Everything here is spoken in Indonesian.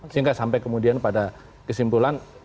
sehingga sampai kemudian pada kesimpulan